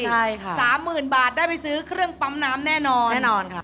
ใช่ค่ะสามหมื่นบาทได้ไปซื้อเครื่องปั๊มน้ำแน่นอนแน่นอนค่ะ